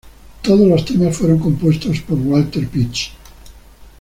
Todos los temas fueron compuestos por Walter Pietsch.